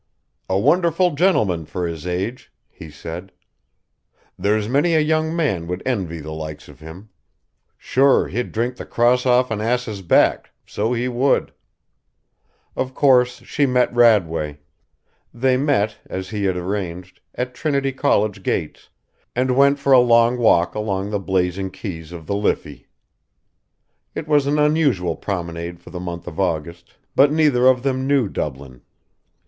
"A wonderful gentleman for his age," he said. "There's many a young man would envy the likes of him. Sure, he'd drink the cross off an ass's back, so he would!" Of course she met Radway. They met, as he had arranged, at Trinity College gates, and went for a long walk along the blazing quays of the Liffey. It was an unusual promenade for the month of August, but neither of them knew Dublin.